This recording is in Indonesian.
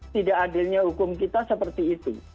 tidak adilnya hukum kita seperti itu